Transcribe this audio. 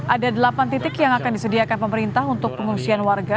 ada delapan titik yang akan disediakan pemerintah untuk pengungsian warga